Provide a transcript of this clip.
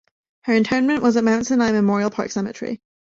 Her interment was at Mount Sinai Memorial Park Cemetery.